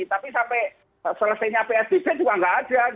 tapi sampai selesainya psbb juga nggak ada